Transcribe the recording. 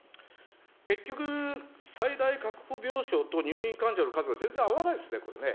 結局、最大確保病床と入院患者の数が全然合わないんですね、これね。